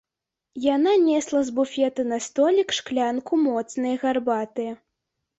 Яна несла з буфета на столік шклянку моцнай гарбаты.